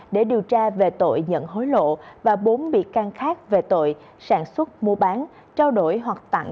để điều tra về tội nhận hối lộ và bốn bị can khác về tội sản xuất mua bán trao đổi hoặc tặng